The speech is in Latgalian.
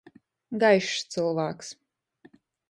Gaišs cylvāks.